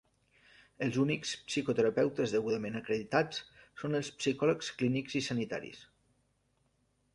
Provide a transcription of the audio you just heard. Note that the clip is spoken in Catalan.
Els únics psicoterapeutes degudament acreditats són els psicòlegs clínics i sanitaris.